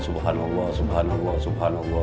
subhanallah subhanallah subhanallah